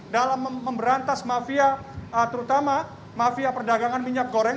dalam memberantas mafia terutama mafia perdagangan minyak goreng